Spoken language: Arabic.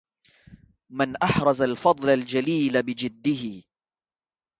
من أحرز الفضل الجليل بجده